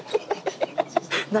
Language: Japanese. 何？